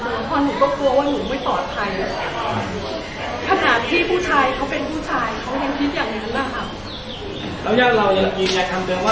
เพราะหนูก็กลัวว่าหนูไม่ตอบภัยขณะที่ผู้ชายเขาเป็นผู้ชายเขาแทนคิดอย่างนั้นนะคะ